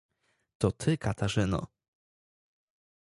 "to ty Katarzyno."